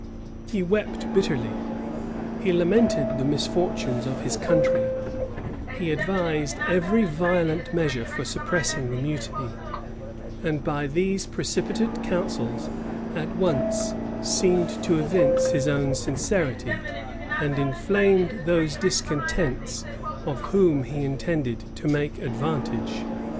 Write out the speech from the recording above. He wept bitterly: he lamented the misfortunes of his country: he advised every violent measure for suppressing the mutiny; and by these precipitate counsels at once seemed to evince his own sincerity, and inflamed those discontents of which he intended to make advantage.